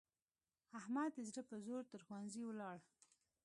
احمد د زړه په زور تر ښوونځي ولاړ.